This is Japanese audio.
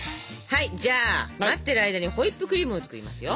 はいじゃあ待ってる間にホイップクリームを作りますよ。